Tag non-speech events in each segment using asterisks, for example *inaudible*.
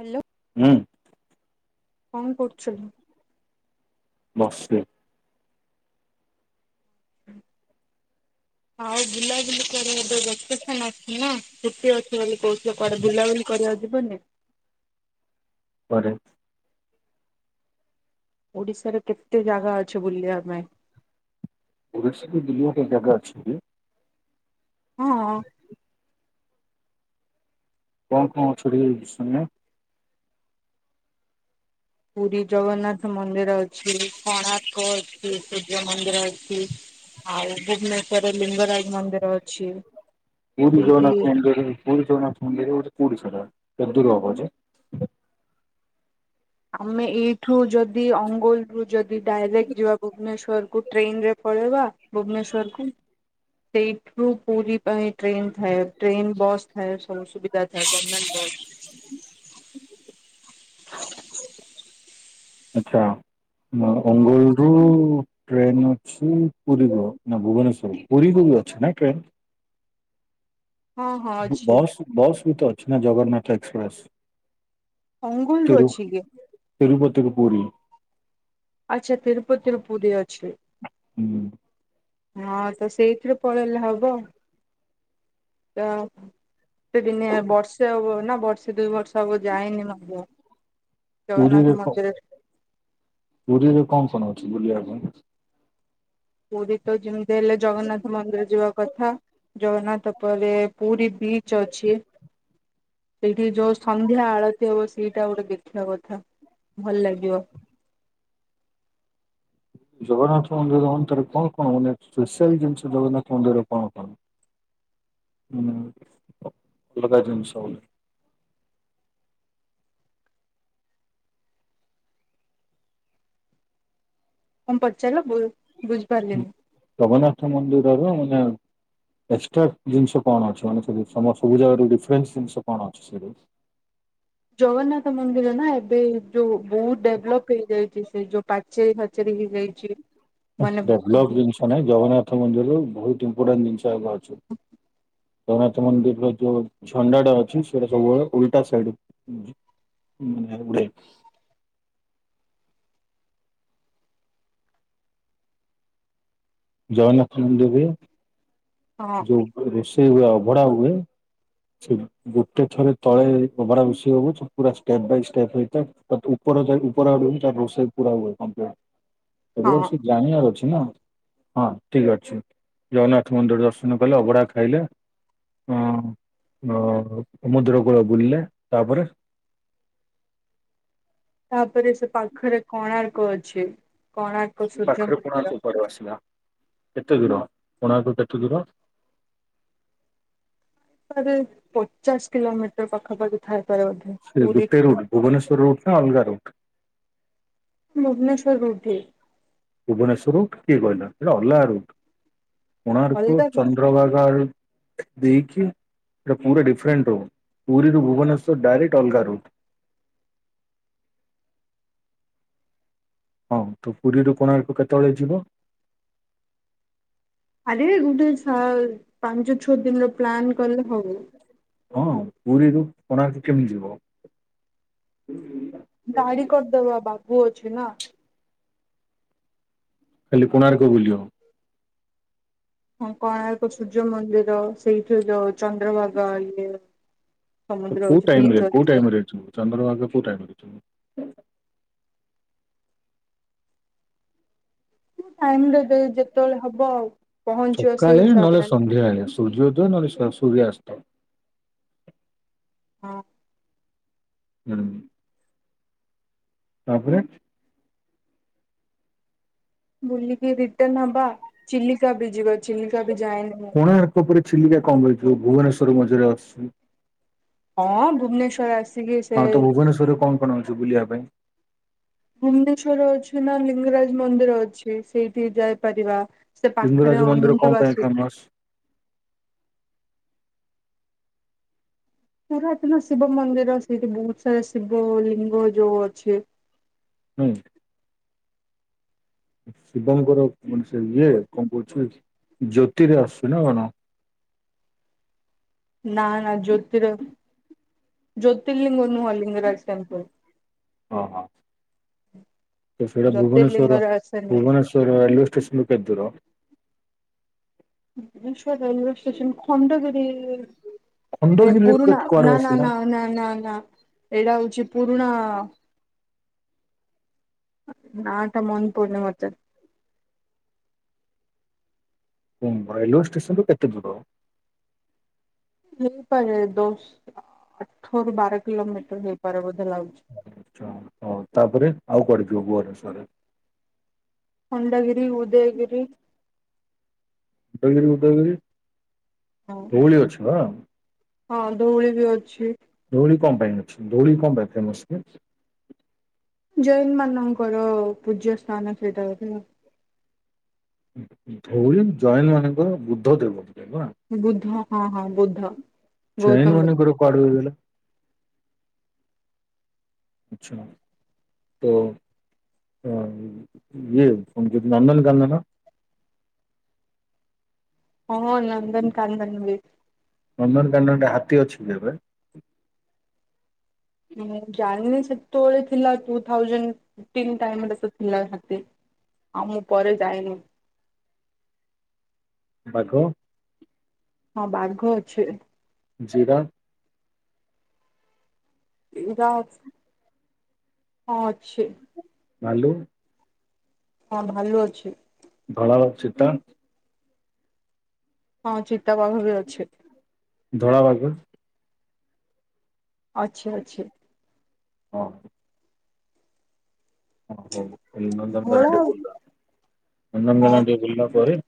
Hello. ହୁଁ। କଁ କରୁଚ? ବସଚି। ଆଉ ବୁଲାବୁଲି କୁଆଡ଼େ ଗୋଟେ ଭ୍ୟାକେସନ୍ ଅଛି ନାଁ ଛୁଟି ଅଛି ବୋଲି କହୁଥିଲ କୁଆଡ଼େ ବୁଲାବୁଲି କରିବାକୁ ଯିବନି? ପରେ। ଓଡ଼ିଶାରେ କେତେ ଜାଗା ଅଛି ବୁଲିବା ପାଇଁ। ଓଡ଼ିଶାରେ ବୁଲିବାପାଇଁ ଜାଗା ଅଛି କି? ହଁ। କଣ କଣ ଅଛି ଟିକେ ଶୁନେ। ପୁରୀ ଜଗନ୍ନାଥ ମନ୍ଦିର ଅଛି କୋଣାର୍କ ଅଛି ସୂର୍ଯ୍ୟ ମନ୍ଦିର ଅଛି। ଆଉ ଭୁବନେଶ୍ଵରରେ ଲିଙ୍ଗରାଜ ମନ୍ଦିର ଅଛି। ପୁରୀ ସେଇଠି ଜଗନ୍ନାଥ ମନ୍ଦିର ପୁରୀ ଜଗନ୍ନାଥ ମନ୍ଦିର କୋଉଠି ସେଟା କେତେ ଦୂର ହେବ ଯେ? ଆମେ ଏଇଠୁ ଯଦି ଅନଗୋଲରୁ ଯଦି ଡାଇରେକ୍ଟ୍ ଯିବା ଭୁବନେଶ୍ଵରକୁୁ ଟ୍ରେନ୍ ରେ ପଳେଇବା ଭୁବନେଶ୍ଵରକୁ ସେଇଠୁ ପୁରୀ ପାଇଁ ଟ୍ରେନ୍ ଥାଏ ଟ୍ରେନ୍ ବସ୍ ଥାଏ ସବୁ ସୁବିଧା ଥାଏ ଗର୍ମେଣ୍ଟ ବସ୍ ଆଚ୍ଛା ହଁ ଅଙ୍ଗୋଲରୁ ଟ୍ରେନ୍ ଅଛି ପୁରୀଯିବ ନା ଭୁବନେଶ୍ଵର ପୁରୀକୁ ବି ଅଛି ନା ଟ୍ରେନ୍? ହଁ ହଁ ଅଛି ବସ୍ ବସ୍ ବି ତ ଅଛି ନା ଜଗନ୍ନାଥ ଏକ୍ସପ୍ରେସ୍। ଅଙ୍ଗୁଲରୁ ଅଛି କି? ତିରୁପତିକୁ ପୁରୀ। ଆଚ୍ଛା ତିରୁପତିରୁ ପୁରୀ ଅଛି। ହୁଁ। ହଁ ତ ସେଇଥିରୁ ପଳେଇଲେ ହବ ତ ତି ଦିନେ ବର୍ଷେ ହବ ନା ବର୍ଷେ ଦୁଇ ବର୍ଷ ହବ ଯାଇନି ମନ୍ଦିର। ପୁରୀରେ ଜଗନ୍ନାଥ କ ପୁରୀରେ କଁ କଣ ଅଛି ବୁଲିବା ପାଇଁ? ପୁରୀ ତ ଯେମିତି ହେଲେ ଜଗନ୍ନାଥ ମନ୍ଦିର ଯିବା କଥା। ଜଗନ୍ନାଥ ପରେ ପୁରୀ ବିଚ୍ ଅଛି। ସେଇଠି ଯୋଉ ସନ୍ଧ୍ୟା ଆଳତି ହବ ସେଇଟା ଗୋଟେ ଦେଖିବା କଥା ଭଲ ଲାଗିବ। ଜଗନ୍ନାଥ ମନ୍ଦିର ଅନ୍ତରେ କଣ କଣ ମାନେ ସ୍ପେଶିଆଲ ଜିନିଷ ଜଗନ୍ନାଥ ମନ୍ଦିରରେ କଣ କଣ? ମାନେ ଅ ଅଲଗା ଜିନିଷ ବୋଲେ। କଁ ପଚାରିଲ ବୁ ବୁଝିପାରିଲିନି। ଜଗନ୍ନାଥ ମନ୍ଦିରର ମାନେ ଏକ୍ସଟ୍ରା ଜିନିଷ କଣ ଅଛି ମାନେ ସମ ସୁବିଦା ଆଡ଼ୁ ଡିଫରେନ୍ସ ଜିନିଷ କଣ ଅଛି ସେଇଠି? ଜଗନ୍ନାଥ ମନ୍ଦିର ନାଁ ଏବେ ଯୋଉ ବହୁତ ଡେଭଲପ୍ ହେଇଯାଇଚି ସେଇ ଯୋଉ ପାଚେରି ଫାଚେରି ହେଇଯାଇଚି। ହାସ୍ ଡେଭଲପ୍ ଜିନିଷ ନାଇଁ ଜଗନ୍ନାଥ ମନ୍ଦିରର ବୋହୁତ ଇମ୍ପୋର୍ଟାଣ୍ଟ ଜିନିଷ ଆଉ ଏବେ ଅଛି। ଜଗନ୍ନାଥ ମନ୍ଦିରର ଯୋଉ ଝଣ୍ଡାଟା ଅଛି ସେଟା ସବୁବେଳେ ଉଲଟା ସାଇଡ଼୍ ଉଁ ନାଇଁ ଉଡ଼େ। ଜଗନ୍ନାଥ ମନ୍ଦିରରେ ଯୋଉ ଘର ରୋଷେଇ ହୁଏ ଅଭଡା ହୁଏ ସେ ଗୋଟେ ଥରେ ତଳେ ଅଭଡ଼ା ରୋଷେଇ ହବ ସବୁ ପୁରା ଷ୍ଟେପ୍ ବାଇ ଷ୍ଟେପ୍ ହେଇଥାଏ। ତ ତୁ ଉପର ଯାଇ ଉପର ଆଡୁ ହିଁ ତାର ରୋଷେଇ ପୁରା ହୁଏ କମ୍ପ୍ଲିଟ୍। ଏଗୁରା ହଁ ସବୁ ଜାଣିବାର ଅଛି ନାଁ ହଁ ଠିକ୍ ଅଛି ଜଗନ୍ନାଥ ମନ୍ଦିର ଦର୍ଶ ହେନ କଲେ ଅଭଡ଼ା ଖାଇଲେ। ଅଁ ର ସମୁଦ୍ରକୂଳ ବୁଲିଲେ ତାପରେ। ତାପରେ ସେ ପାଖରେ କୋଣାର୍କ ଅଛି। କୋଣାର୍କ ସେ ସୂର୍ଯ୍ୟ ପାଖରେ ମନ୍ଦିର କୋଣାର୍କ କୁଆଡ଼ୁ ଆସିଲା କେତେ ଦୂର କୋଣାର୍କ କେତେ ଦୂର? ଆରେ ପଚାଶ କିଲୋମିଟର୍ ପାଖାପାଖି ଥାଇ ପାରେ ବୋଧେ। ସେ ପୁରୀ ଗୁଟେ ରୁଟ୍ ଭୁବନେଶ୍ୱର ରୁଟ୍ ନା ଅଲଗା ରୁଟ୍? ଭୁବନେଶ୍ୱର ରୁଟ୍ ହି। ଭୁବନେଶ୍ୱର ରୁଟ୍ କିଏ କହିଲା ସେଟା ଅଲଗା ରୁଟ୍ କୋଣାର୍କ ଅଲଗା ଚାନ୍ଦ୍ ଚନ୍ଦ୍ରଭାଗା ଦେଇକି ଏ ପୁରା ଡିଫରେଣ୍ଟ ରୁଟ୍ ପୁରୀରୁୁ ଭୁବନେଶ୍ୱର ଡାଇରେକ୍ଟ ଅଲଗା ରୁଟ୍। ହଁ ତୁ ପୁରୀରୁ କୋଣାର୍କ କେତବେଳେ ଯିବୁ? ଆରେ ଗୋଟେ ସ ପାଞ୍ଚ ଛଅ ଦିନର ପ୍ଲାନ କଲେ ହବ। ହଁ ପୁରୀରୁ କୋଣାର୍କ କେମିତି ଯିବ? ଗାଡି କରିଦବା ବାବୁ ଅଛି ନା? କାଲି କୋଣାର୍କ ବୁଲିବ। ହଁ କୋଣାର୍କ ସୂର୍ଯ୍ୟ ମନ୍ଦିର ସେଇଠେ ଯୋଉ ଚନ୍ଦ୍ରଭାଗା ଇଏ। ତ ସମୁଦ୍ର କୋଉ ଅଛି ଟାଇମ୍ ରେ ବିଚ୍ କୋଉ ଅଛି। ଟାଇମ୍ ରେ ଯିବୁ ଚନ୍ଦ୍ରଭାଗା କୋଉ ଟାଇମ୍ ରେ ଯିବୁ? ଟାଇମ୍ ରେ ଯେ ଯେତେବେଳେ ହବ ଆଉ। ସକାଳେ ନହେଲେ ସନ୍ଧ୍ୟାବେଳେ ସୂର୍ଯ୍ୟୋଦୟ ନହେଲେ ସ୍ୱା ସୂର୍ୟାସ୍ତ। ହଁ। ହୁଁ। ତାପରେ ବୁଲିକି ରିଟର୍ନ ହବା। ଚିଲିକା ବି ଯିବେ ଚିଲିକା ବି ଯାଏନି। ମୁଁ। କୋଣାର୍କ ପରେ ଚିଲିକା କଣ ପାଇଁ ଯିବ ଭୁବନେଶ୍ୱର ମଝିରେ ଆସୁଚି। ହଁ ଭୁବନେଶ୍ୱର ଆସ ହଁ ତ ଭୁବନେଶ୍ୱରରେ କଣ କଣ ଅଛି ବୁଲିଆ ପାଇଁ? ଭୁବନେଶ୍ଵରରେ ଅଛି ନା ଲିଙ୍ଗରାଜ ମନ୍ଦିର ଅଛି ସେଇଠି ଯାଇପାରିବା। ସେ ଲିଙ୍ଗରାଜ ପାଖରେ ମନ୍ଦିର କଣ ଅନନ୍ତ ପାଇଁ ବାସୁ ଫେମସ? ପୁରାତନ ଶିବ ମନ୍ଦିର ସେଇଠି ବହୁତ ସାରା ଶିବ ଲିଙ୍ଗ ଯୋଉ ଅଛି। ହୁଁ। ଶିବଙ୍କର ମାନେ ସେ ଇଏ କଣ କହୁଛି ଜ୍ୟୋତିର ଆସୁଚି ନା? ନା ନା ଜ୍ୟୋତିର ଜ୍ୟୋତିର୍ଲିଙ୍ଗ ନୁଆ ଲିଙ୍ଗରାଜ ଟେମ୍ପଲ୍। ଓ ହ। ତ ସେଇଟା ଭୁବନେଶ୍ୱର ଜ୍ୟୋତିର୍ଲିଙ୍ଗରେ ଆସେନି ଭୁବନେଶ୍ୱର ରେଲୱେ ଷ୍ଟେସନରୁ କେତ୍ ଦୂର? Bhubaneswar railway station Khandagiri. ଏଇ ଖଣ୍ଡଗିରିରେ ପୁରୁଣା କୁଆଡେ ନା ନା ଆସିଲା ନାଇ ନାଇ ନା ନା ଏଇଟା ହଉଚି ପୁରୁଣା। ନାଁ ଟା ମନ ପଡୁନି ମତେ। ଉଁ ରେଲୱେ ଷ୍ଟେସନରୁ କେତେ ଦୂର? ହେଇପାରେ ଦଶ ଆଠରୁ ବାର କିଲୋମିଟର ହେଇପାରେ ବୋଧେ ଲାଗୁଛି। ଆଚ୍ଛା ହଉ ତାପରେ ଆଉ କୁଆଡେ ଯିବ ଭୁବନେଶ୍ୱରରେ? ଖଣ୍ଡଗିରି ଉଦୟଗିରି। ଖଣ୍ଡଗିରି ଉଦୟଗିରି ଧଉଳି ଅଛି ବା। ହଁ ଧଉଳି ବି ଅଛି। ଧଉଳି କଣ ପାଇଁ ଅଛି? ଧଉଳି କଣ ପାଇଁ ଫେମସ୍ କି? ଜୈନ ମାନଙ୍କର ପୂଜ୍ୟ ସ୍ଥାନ ସେଇଟା ବୋଧେ ଆଉ ଧଉଳି ଜୈନ ମାନଙ୍କର ବୁଦ୍ଧ ଦେବ ଥିଲେ ବା। ବୁଦ୍ଧ ହଁ ହଁ ବୁଦ୍ଧ। ଜୈନ ଗୌତମ ବୁଦ୍ଧ ମାନଙ୍କର କୁଆଡୁ ହେଇଗଲା? ଆଛା। ତ ଅ ଇଏ କଣ କହୁଚି ନନ୍ଦନ କାନନ। ହଁ ନନ୍ଦନ କାନ୍ଦନ ବି। ନନ୍ଦନକାନନରେ ହାତୀ ଅଛି କି ଏବେ? ମୁଁ ଜାଣିନି ସେତବେଳେ ଥିଲା ଟୁ ଥାଉଜେଣ୍ଟ ତିନ୍ ଟାଇମରେ ସେ ତ ଥିଲା ହାତୀ। ଆଉ ମୁଁ ପରେ ଯାଇନି। ବାଘ? ହଁ ବାଘ ଅଛି। ଜିିରାଫ୍? ଏଇଟା ହଁ ଅଛି। ଭାଲୁ। ହଁ ଭାଲୁ ଅଛି। ଧଳ ଅଛି ତ? ହଁ ଚିତାବାଘ ବି ଅଛି। ଧଳାଭାଲୁ? ଅଛି ଅଛି। ଓ ଓହୋ ନନ୍ଦନକାନନ ଧୋଳା ଟିକେ ବୁଲ ନନ୍ଦନକାନନ ହଁ ଟିକେ ବୁଲିଲା ପରେ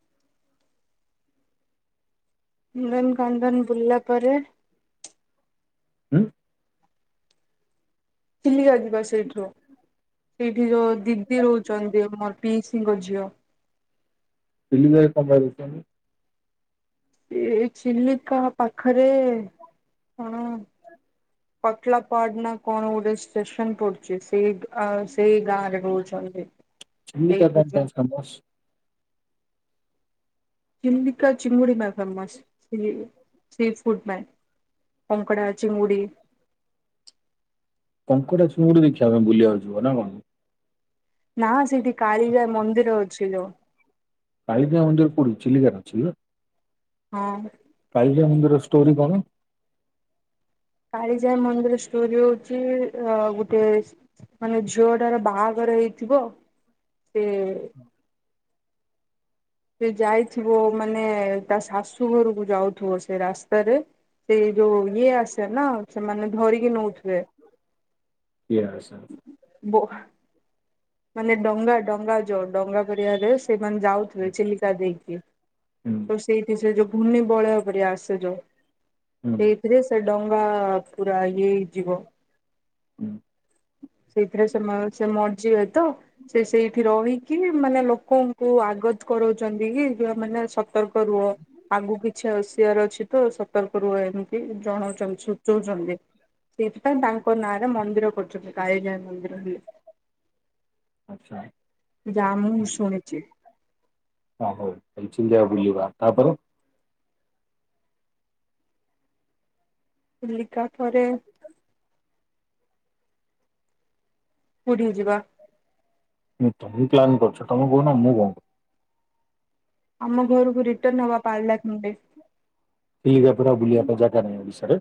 ନନ୍ଦନକାନନ ବୁଲିଲା ପରେ ହୁଁ। ଚିଲିକା ଯିବା ସେଇଠୁ ସେଇଠି ଯୋଉ ଦିଦି ରହୁଛନ୍ତି ମୋର ପିଇସୀଙ୍କ ଝିଅ ପିଇସୀଙ୍କ ଘରେ କଣ ପାଇଁ ରହୁଛନ୍ତି? ଏଇ ଚିଲିକା ପାଖରେ କଣ? ପଟିଲା ପାଡ୍ ନା କଣ ଗୋଟେ ଷ୍ଟେସନ ପଡୁଛି ସେଇ ଆ ସେଇ ଗାଁ ରେ ରହୁଛନ୍ତି। ଚିଲିକା ସେଇଠି ଯୋଉ *inaudible* ଚିଲିିକା ଚିଙ୍ଗୁଡ଼ି ପାଇଁ ଫେମସ୍ ସେ ସି ଫୁଡ୍ ପାଇଁ। କଙ୍କଡ଼ା, ଚିଙ୍ଗୁଡ଼ି। କଙ୍କଡା ଚୁଙ୍ଗୁଡ଼ି ଦେଖିବା ପାଇଁ ବୁଲିବାକୁ ଯିବ ନା କଣ? ନା ସେଇଠି କାଳିଜାଈ ମନ୍ଦିର ଅଛି ଯୋଉ କାଳିଜାଈ ମନ୍ଦିର କୋଉଠି ଅଛି ଚିଲିକାରେ ଅଛିଲୋ? ହଁ। କାଳିଜାଈଙ୍କର ଷ୍ଟୋରି କଣ? କାଳିଜାଇ ମନ୍ଦିର ଷ୍ଟୋରି ହଉଛି ଅ ଗୋଟେ ମାନେ ଝୁଅଟାର ବାହାଘର ହେଇଥିବ ସିଏ ସେ ଯାଇଥିବ ମାନେ ତା ଶାଶୁ ଘରକୁ ଯାଉଥିବ ସେ ରାସ୍ତାରେ ସେଇ ଯୋଉ ଇଏ ଆସେ ନା ସେମାନେ ଧରିକି ନଉଥିବେ କିଏ ଆସେ? ବୋ ମାନେ ଡଙ୍ଗା, ଡଙ୍ଗା ଯୋଉ ଡଙ୍ଗା ଜରିଆରେ ସେମାନେ ଯାଉଥିବେ ଚିଲିକା ଦେଇକି ସେଇଥି ସେ ଯୋଉ ଘୂର୍ଣ୍ଣିବଳୟ ପରି ଆସେ ଯୋଉ ହୁଁ ସେଇଥିରେ ସେ ଡଙ୍ଗା ପୁରା ଇଏ ହେଇଯିବ। ହୁଁ ସେଇଥିରେ ସେ ମରିଯିବେ ତ ସେ ସେଇଠି ରହିକି ମାନେ ଲୋକଙ୍କୁ ଆଗତ୍ କରାଉଛନ୍ତି କି ଯେ ଆମେମାନେ ସତର୍କ ରୁହ। ଆଗକୁ କିଛି ଆସିବାର ଅଛି ତ ସତର୍କ ରୁହ ଏମିତି ଜଣଉଛନ୍ତି ସୂଚଉଛନ୍ତି। ସେଇଥିପାଇଁ ତାଙ୍କରି ନାଁରେ ମନ୍ଦିର କରିଛନ୍ତି କାଳିଜାଈ ମନ୍ଦିର ହେଲେ। ଆଚ୍ଛା। ଯାଆ ମୁଁ ଶୁଣିଛି। ହଁ ହଉ ଚିଲିକା ବୁଲିବା ତାପରେ ଚିଲିକା ଥରେ କୋଉଠିକି ଯିବା? ତମେ ପ୍ଲାନ କରୁଛ, ତମେ କହୁନା ମୁଁ କଣ ଆମ ଘରକୁ ରିଟନ ହବା ପାରିଲାଖେମୁଣ୍ଡି। କି ଆଉ ବୁଲିବା ପାଇଁ ଯାଗା ନାହିଁ କି ସିଆଡେ?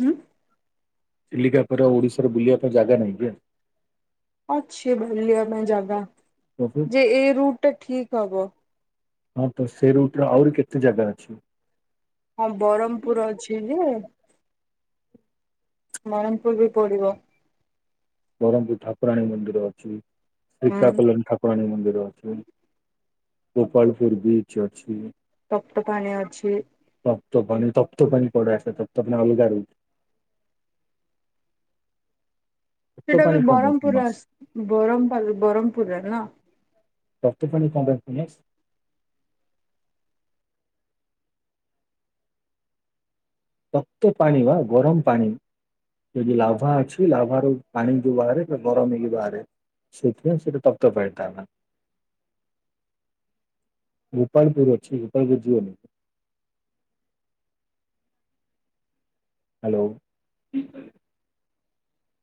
ହୁଁ। ଚିଲିକା ପରେ ଓଡିଶାରେ ବୁଲିବା ପାଇଁ ଯାଗାନାହିଁ କି ଆଉ? ଅଛି ବୁଲିବା ପାଇଁ ଜାଗା, ଯେ ଏଇ ରୁଟଟା ଠିକ ହବ। ହଁତ ସେ ରୁଟରେ ଆହୁରି କେତେ ଜାଗା ଅଛି? ହଁ ବରମପୁର୍ ଅଛି ଯେ ବରମ୍ ପୁର୍ ବି ପଡିବ। ବ୍ରହ୍ମପୁର ଠାକୁରାଣୀମନ୍ଦିର ଅଛି। ହୁଁ। ଶିକାକଲନ ଠାକୁ ଠାକୁରାଣୀମନ୍ଦିର ଅଛି, ଗୋପାଳପୁର ବିଚ ଅଛି। ତପ୍ତପାଣି ଅଛି। ତପ୍ତପାଣି, ତପ୍ତପାଣି କୁଆଡୁ ଆସିଲା। ତପ୍ତପାଣି ଅଲଗା ରୁଟ୍ ତପ୍ତ ସେଟା ପାଣି ଗୋଟେ କଣ ପାଇଁ ବରମପୁର ଫେମସ ରା ବରମପୁର ଯାଗା। ତପ୍ତ ପାଣି କଣ ପାଇଁ ଫେମସ୍? ତପ୍ତପାଣି ବା ଗରମ ପାଣି। ସେଟି ଲାଭା ଅଛି, ଲାଭାରୁ ପାଣି ଯୋଉ ବାହାରେ ଗରମ ହେଇ ବାହାରେ। ସେଥିପାଇଁ ସେଟା ତପ୍ତପାଣି ତା ନା। *unintelligible* ଗୋପାଳପୁର ଅଛି, ଗୋପାଳପୁର ଯିବନି। Hello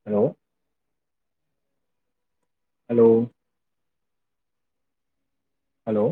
hello. ହାଲୋ। ହାଲୋ।